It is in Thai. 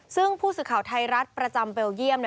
ซึ่งผู้สื่อข่าวไทยรัฐประจำเบลเยี่ยม